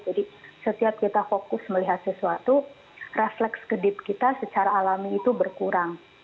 jadi setiap kita fokus melihat sesuatu refleks kedip kita secara alami itu berkurang